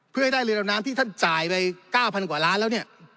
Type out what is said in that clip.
เพื่อให้ได้เรือดำน้ำที่ท่านจ่ายไป๙๐๐กว่าล้านแล้วเนี่ย